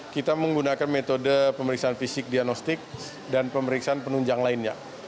kita menggunakan metode pemeriksaan fisik diagnostik dan pemeriksaan penunjang lainnya